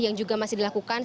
yang juga masih dilakukan